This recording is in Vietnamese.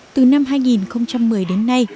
từ năm hai nghìn một mươi đến nay